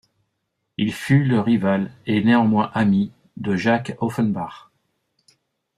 Il fut le rival - et néanmoins ami - de Jacques Offenbach.